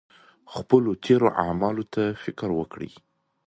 خپلو تېرو اعمالو ته فکر وکړئ.